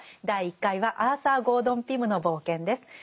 第１回は「アーサー・ゴードン・ピムの冒険」です。